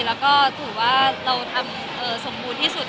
แล้วก็ถือว่าเราทำสมบูรณ์ที่สุด